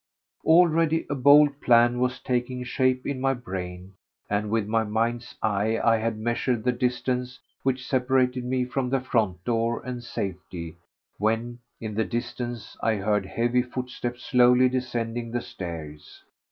Already a bold plan was taking shape in my brain, and with my mind's eye I had measured the distance which separated me from the front door and safety when, in the distance, I heard heavy footsteps slowly descending the stairs.